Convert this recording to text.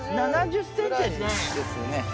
７０ｃｍですね。